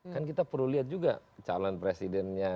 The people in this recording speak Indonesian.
kan kita perlu lihat juga calon presidennya